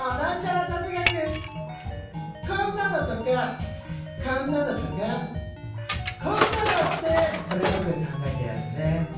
こんなのとかこんなのとかこんなのってこれはぼくが考えたやつね。